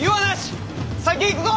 先へ行くぞ！